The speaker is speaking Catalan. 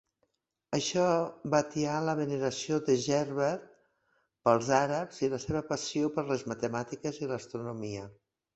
Això va atiar la veneració de Gerbert pels àrabs i la seva passió per les matemàtiques i l'astronomia.